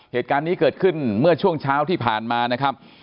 เหตุการณ์นี้เกิดขึ้นเมื่อช่วงเช้าที่ผ่านมานะครับ